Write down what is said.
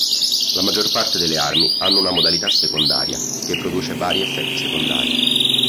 La maggior parte delle armi hanno una modalità secondaria, che produce vari effetti secondari.